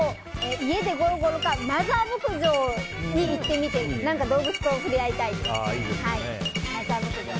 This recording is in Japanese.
家でゴロゴロかマザー牧場に行ってみて何か動物と触れ合いたいです。